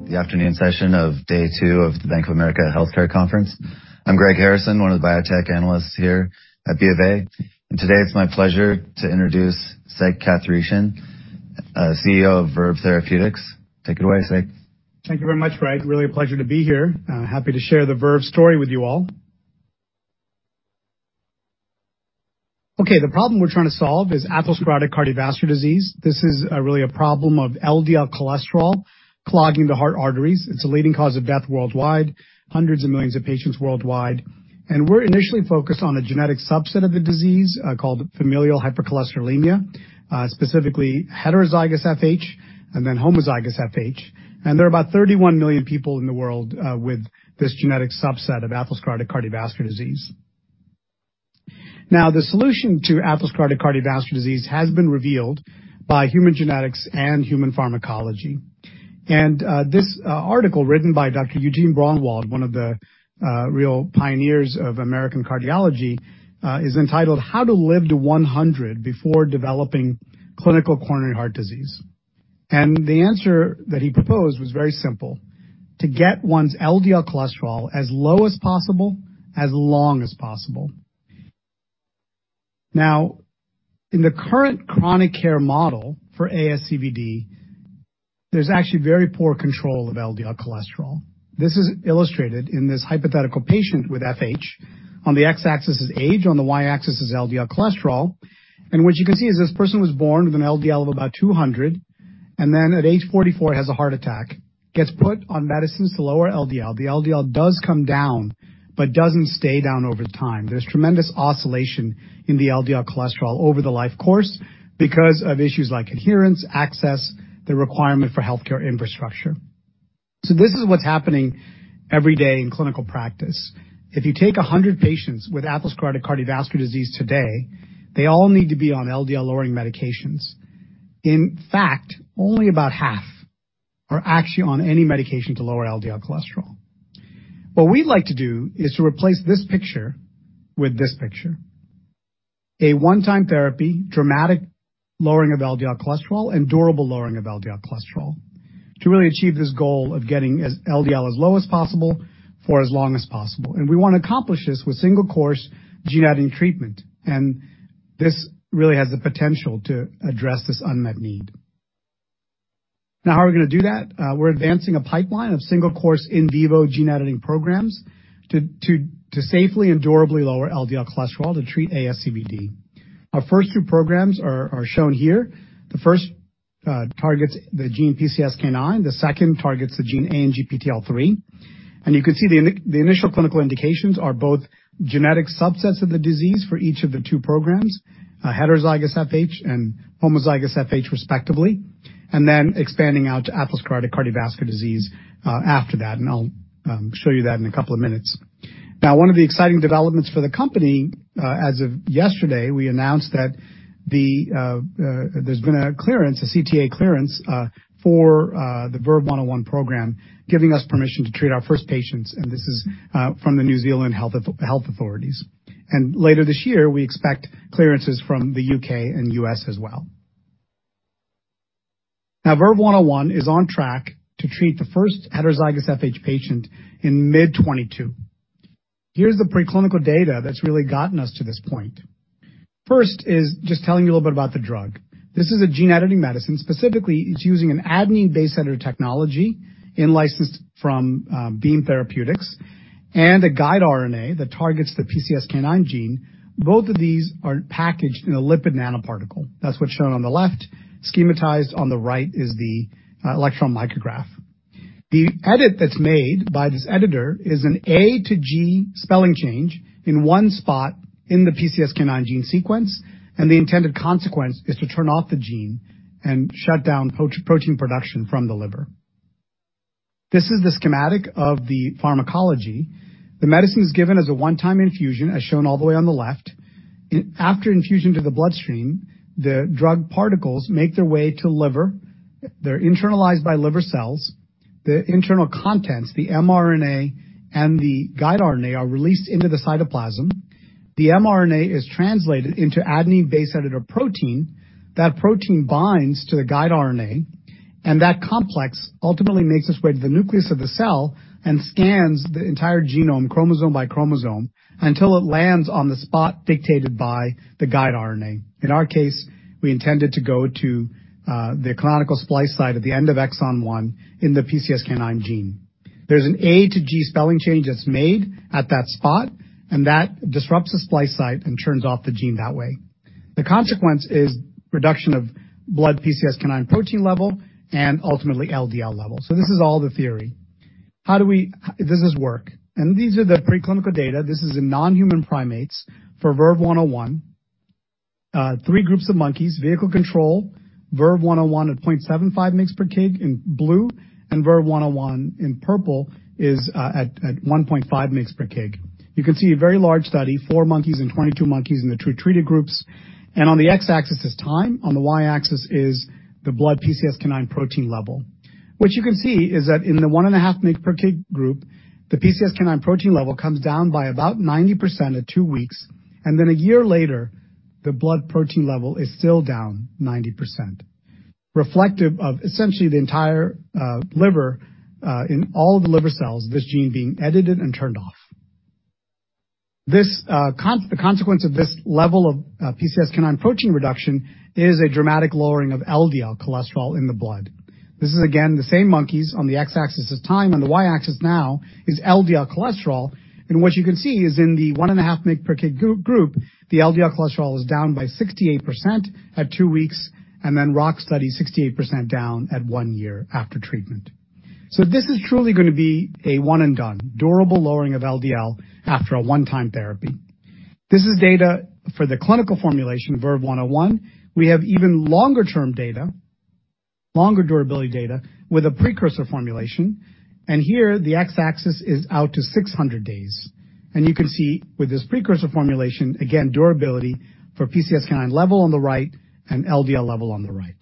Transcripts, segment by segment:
The afternoon session of day two of the Bank of America Healthcare Conference. I'm Greg Harrison, one of the biotech analyst here at BofA. Today it's my pleasure to introduce Sek Kathiresan, CEO of Verve Therapeutics. Take it away, Sek. Thank you very much, Greg. Really a pleasure to be here. Happy to share the Verve story with you all. Okay, the problem we're trying to solve is atherosclerotic cardiovascular disease. This is really a problem of LDL cholesterol clogging the heart arteries. It's a leading cause of death worldwide, hundreds of millions of patients worldwide. We're initially focused on a genetic subset of the disease, called familial hypercholesterolemia, specifically heterozygous FH, and then homozygous FH. There are about 31 million people in the world with this genetic subset of atherosclerotic cardiovascular disease. Now, the solution to atherosclerotic cardiovascular disease has been revealed by human genetics and human pharmacology. This article written by Dr. Eugene Braunwald, one of the real pioneers of American cardiology, is entitled How to Live to 100 Before Developing Clinical Coronary Artery Disease. The answer that he proposed was very simple, to get one's LDL cholesterol as low as possible, as long as possible. Now, in the current chronic care model for ASCVD, there's actually very poor control of LDL cholesterol. This is illustrated in this hypothetical patient with FH. On the x-axis is age, on the y-axis is LDL cholesterol. What you can see is this person was born with an LDL of about 200, and then at age 44 has a heart attack, gets put on medicines to lower LDL. The LDL does come down, but doesn't stay down over time. There's tremendous oscillation in the LDL cholesterol over the life course because of issues like adherence, access, the requirement for healthcare infrastructure. This is what's happening every day in clinical practice. If you take 100 patients with atherosclerotic cardiovascular disease today, they all need to be on LDL-lowering medications. In fact, only about half are actually on any medication to lower LDL cholesterol. What we'd like to do is to replace this picture with this picture. A one-time therapy, dramatic lowering of LDL cholesterol, and durable lowering of LDL cholesterol to really achieve this goal of getting LDL as low as possible for as long as possible. We wanna accomplish this with single-course gene-editing treatment. This really has the potential to address this unmet need. Now, how are we gonna do that? We're advancing a pipeline of single-course in vivo gene editing programs to safely and durably lower LDL cholesterol to treat ASCVD. Our first two programs are shown here. The first targets the gene PCSK9, the second targets the gene ANGPTL3. You can see the initial clinical indications are both genetic subsets of the disease for each of the two programs, heterozygous FH and homozygous FH respectively, and then expanding out to atherosclerotic cardiovascular disease after that. I'll show you that in a couple of minutes. Now, one of the exciting developments for the company, as of yesterday, we announced that there's been a clearance, a CTA clearance, for the VERVE-101 program, giving us permission to treat our first patients, and this is from the New Zealand health authorities. Later this year, we expect clearances from the U.K. and U.S. as well. Now, VERVE-101 is on track to treat the first heterozygous FH patient in mid 2022. Here's the preclinical data that's really gotten us to this point. First is just telling you a little bit about the drug. This is a gene editing medicine. Specifically, it's using an adenine base editor technology licensed from Beam Therapeutics and a guide RNA that targets the PCSK9 gene. Both of these are packaged in a lipid nanoparticle. That's what's shown on the left. Schematized on the right is the electron micrograph. The edit that's made by this editor is an A to G spelling change in one spot in the PCSK9 gene sequence, and the intended consequence is to turn off the gene and shut down protein production from the liver. This is the schematic of the pharmacology. The medicine is given as a one-time infusion, as shown all the way on the left. After infusion to the bloodstream, the drug particles make their way to liver. They're internalized by liver cells. The internal contents, the mRNA and the guide RNA, are released into the cytoplasm. The mRNA is translated into adenine base editor protein. That protein binds to the guide RNA, and that complex ultimately makes its way to the nucleus of the cell and scans the entire genome chromosome by chromosome until it lands on the spot dictated by the guide RNA. In our case, we intend it to go to the canonical splice site at the end of exon one in the PCSK9 gene. There's an A to G spelling change that's made at that spot, and that disrupts the splice site and turns off the gene that way. The consequence is reduction of blood PCSK9 protein level and ultimately LDL level. This is all the theory. Does this work? These are the preclinical data. This is in non-human primates for VERVE-101. Three groups of monkeys, vehicle control, VERVE-101 at 0.75 mg per kg in blue, and VERVE-101 in purple at 1.5 mg per kg. You can see a very large study, four monkeys and 22 monkeys in the two treated groups. On the x-axis is time, on the y-axis is the blood PCSK9 protein level. What you can see is that in the 1.5 mg per kg group, the PCSK9 protein level comes down by about 90% at two weeks, and then a year later the blood protein level is still down 90%, reflective of essentially the entire liver in all the liver cells, this gene being edited and turned off. This consequence of this level of PCSK9 protein reduction is a dramatic lowering of LDL cholesterol in the blood. This is again the same monkeys on the x-axis. Time on the y-axis now is LDL cholesterol. What you can see is in the 1.5 mg per kg group, the LDL cholesterol is down by 68% at two weeks, and then rock solid 68% down at one year after treatment. This is truly going to be a one and done durable lowering of LDL after a one-time therapy. This is data for the clinical formulation of VERVE-101. We have even longer-term data, longer durability data with a precursor formulation. Here the x-axis is out to 600 days. You can see with this precursor formulation, again, durability for PCSK9 level on the right and LDL level on the right.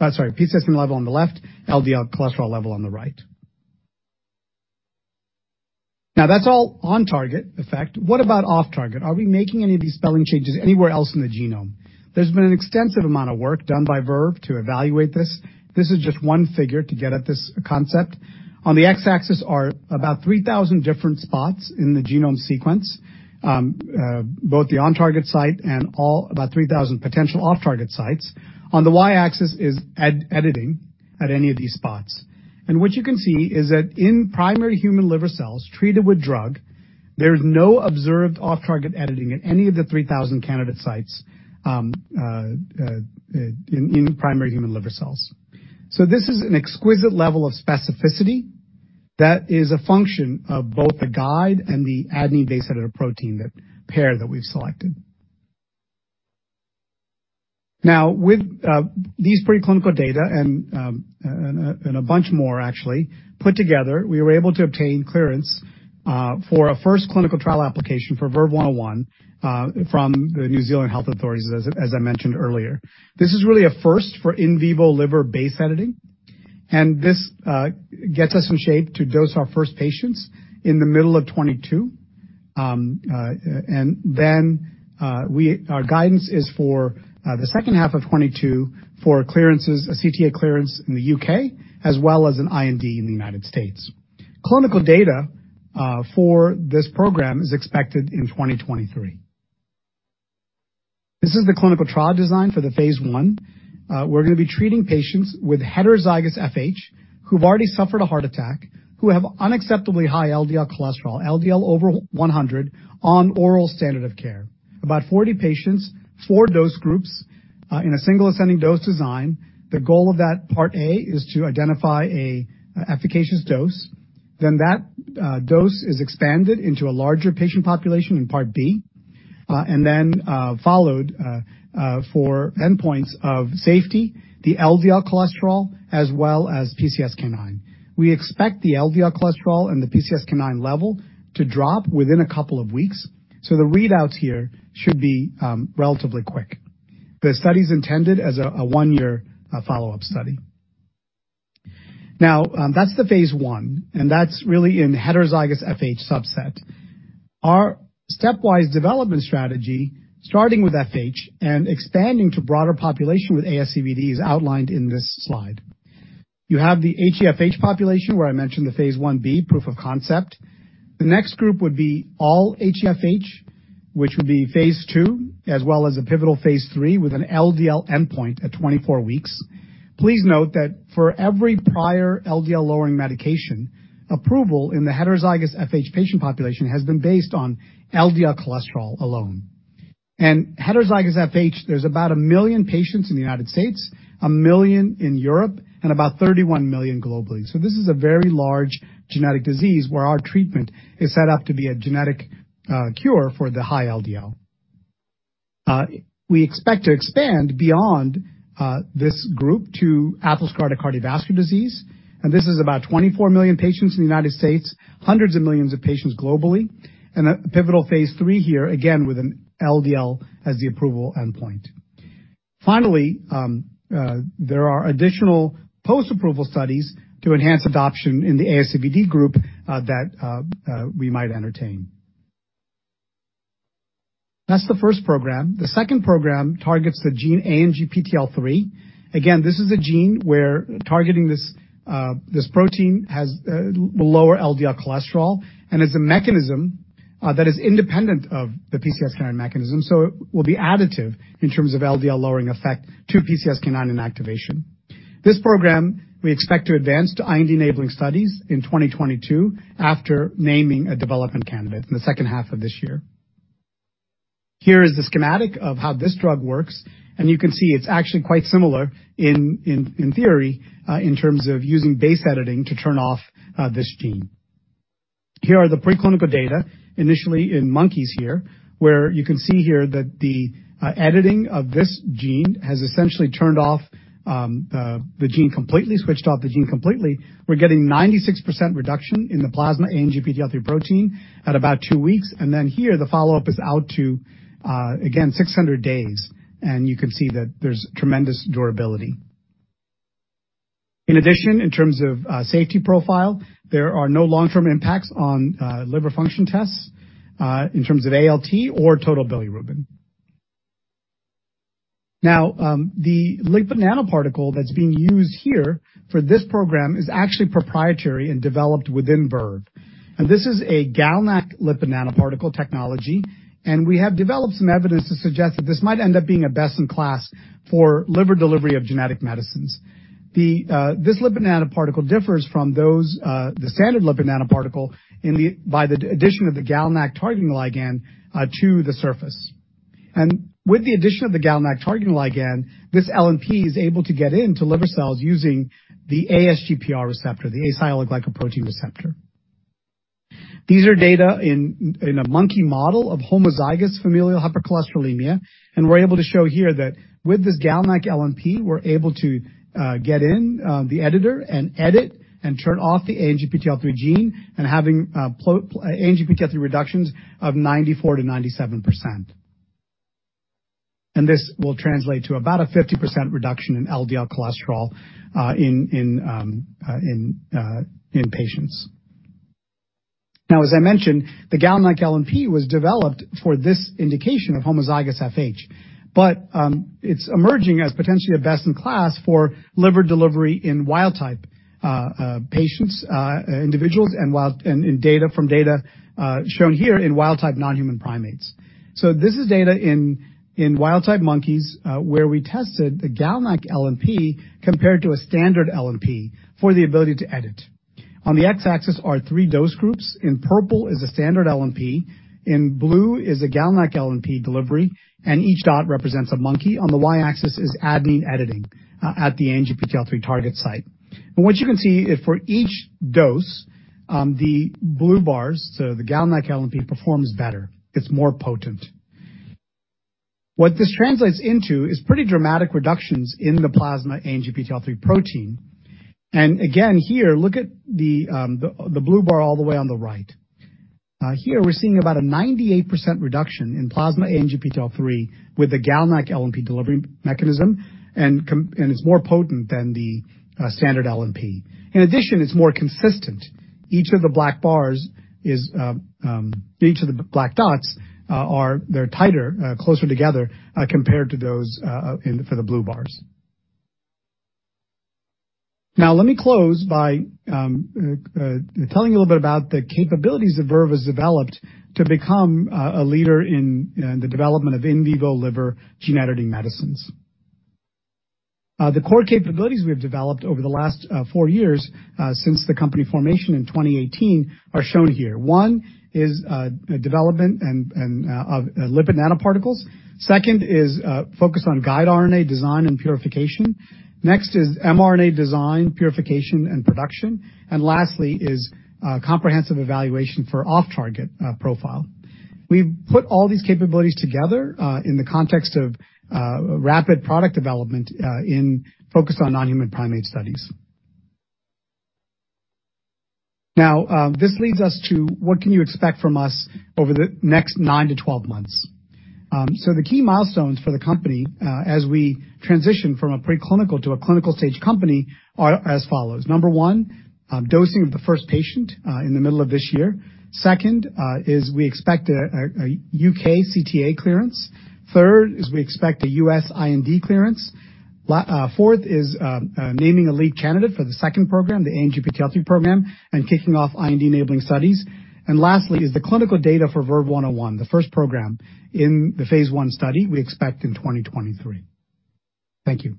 Oh, sorry, PCSK9 level on the left, LDL cholesterol level on the right. Now, that's all on-target effect. What about off-target? Are we making any of these spelling changes anywhere else in the genome? There's been an extensive amount of work done by Verve to evaluate this. This is just one figure to get at this concept. On the x-axis are about 3,000 different spots in the genome sequence, both the on-target site and all about 3,000 potential off-target sites. On the y-axis is editing at any of these spots. What you can see is that in primary human liver cells treated with drug, there is no observed off-target editing at any of the 3,000 candidate sites, in primary human liver cells. This is an exquisite level of specificity that is a function of both the guide and the adenine base editor protein, that pair that we've selected. Now, with these preclinical data and a bunch more actually put together, we were able to obtain clearance for a first clinical trial application for VERVE-101 from the New Zealand Health Authorities, as I mentioned earlier. This is really a first for in vivo liver base editing, and this gets us in shape to dose our first patients in the middle of 2022. Our guidance is for the second half of 2022 for clearances, a CTA clearance in the U.K., as well as an IND in the United States. Clinical data for this program is expected in 2023. This is the clinical trial design for the phase I. We're going to be treating patients with heterozygous FH who've already suffered a heart attack, who have unacceptably high LDL cholesterol, LDL over 100 on oral standard of care. About 40 patients, four dose groups, in a single ascending dose design. The goal of that part A is to identify an efficacious dose. Then that dose is expanded into a larger patient population in part B, and then for endpoints of safety, the LDL cholesterol, as well as PCSK9. We expect the LDL cholesterol and the PCSK9 level to drop within a couple of weeks. The readouts here should be relatively quick. The study is intended as a one-year follow-up study. Now, that's the phase I, and that's really in heterozygous FH subset. Our stepwise development strategy, starting with FH and expanding to broader population with ASCVD, is outlined in this slide. You have the HeFH population where I mentioned the phase Ib proof of concept. The next group would be all HeFH, which would be phase II, as well as a pivotal phase III with an LDL endpoint at 24 weeks. Please note that for every prior LDL lowering medication, approval in the heterozygous FH patient population has been based on LDL cholesterol alone. Heterozygous FH, there's about 1 million patients in the United States, 1 million in Europe, and about 31 million globally. This is a very large genetic disease where our treatment is set up to be a genetic cure for the high LDL. We expect to expand beyond this group to atherosclerotic cardiovascular disease, and this is about 24 million patients in the United States, hundreds of millions of patients globally. A pivotal phase III here, again, with an LDL as the approval endpoint. Finally, there are additional post-approval studies to enhance adoption in the ASCVD group that we might entertain. That's the first program. The second program targets the gene ANGPTL3. Again, this is a gene where targeting this protein will lower LDL cholesterol and is a mechanism that is independent of the PCSK9 mechanism. It will be additive in terms of LDL lowering effect to PCSK9 inactivation. This program, we expect to advance to IND-enabling studies in 2022 after naming a development candidate in the second half of this year. Here is the schematic of how this drug works, and you can see it's actually quite similar in theory, in terms of using base editing to turn off this gene. Here are the preclinical data initially in monkeys here, where you can see here that the editing of this gene has essentially turned off the gene completely, switched off the gene completely. We're getting 96% reduction in the plasma ANGPTL3 protein at about two weeks. Here the follow-up is out to again 600 days. You can see that there's tremendous durability. In addition, in terms of safety profile, there are no long-term impacts on liver function tests in terms of ALT or total bilirubin. Now, the lipid nanoparticle that's being used here for this program is actually proprietary and developed within Verve. This is a GalNAc lipid nanoparticle technology, and we have developed some evidence to suggest that this might end up being a best in class for liver delivery of genetic medicines. This lipid nanoparticle differs from those the standard lipid nanoparticle by the addition of the GalNAc targeting ligand to the surface. With the addition of the GalNAc targeting ligand, this LNP is able to get into liver cells using the ASGPR receptor, the asialoglycoprotein receptor. These are data in a monkey model of homozygous familial hypercholesterolemia, and we're able to show here that with this GalNAc LNP, we're able to get in the editor and edit and turn off the ANGPTL3 gene and have ANGPTL3 reductions of 94%-97%. This will translate to about a 50% reduction in LDL cholesterol in patients. Now, as I mentioned, the GalNAc-LNP was developed for this indication of homozygous FH, but it's emerging as potentially a best in class for liver delivery in wild type patients, individuals and in data shown here in wild type non-human primates. This is data in wild type monkeys where we tested the GalNAc-LNP compared to a standard LNP for the ability to edit. On the x-axis are three dose groups. In purple is a standard LNP, in blue is a GalNAc-LNP delivery, and each dot represents a monkey. On the y-axis is adenine editing at the ANGPTL3 target site. What you can see is for each dose, the blue bars, so the GalNAc LNP performs better, it's more potent. What this translates into is pretty dramatic reductions in the plasma ANGPTL3 protein. Again, here, look at the blue bar all the way on the right. Here we're seeing about a 98% reduction in plasma ANGPTL3 with the GalNAc LNP delivery mechanism, and it's more potent than the standard LNP. In addition, it's more consistent. Each of the black dots they're tighter, closer together compared to those in the blue bars. Now let me close by telling you a little bit about the capabilities that Verve has developed to become a leader in the development of in vivo liver gene editing medicines. The core capabilities we have developed over the last four years since the company formation in 2018 are shown here. One is development of lipid nanoparticles. Second is focus on guide RNA design and purification. Next is mRNA design, purification and production. Lastly is comprehensive evaluation for off-target profile. We've put all these capabilities together in the context of rapid product development in focus on non-human primate studies. Now this leads us to what can you expect from us over the next nine to 12 months. The key milestones for the company, as we transition from a preclinical to a clinical stage company are as follows. Number one, dosing of the first patient in the middle of this year. Second, is we expect a U.K. CTA clearance. Third is we expect a U.S. IND clearance. Fourth is naming a lead candidate for the second program, the ANGPTL3 program, and kicking off IND-enabling studies. Lastly is the clinical data for VERVE-101, the first program in the phase I study we expect in 2023. Thank you.